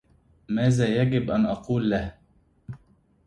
ماذا يجب أن أقول له؟